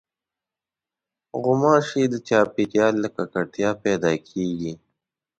غوماشې د چاپېریال له ککړتیا پیدا کېږي.